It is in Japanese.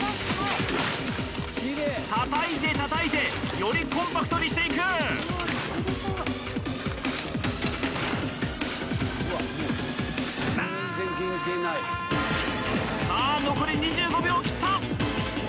たたいてたたいてよりコンパクトにしていくさあ残り２５秒切った！